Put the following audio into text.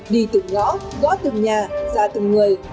đi từng ngõ gõ từng nhà ra từng người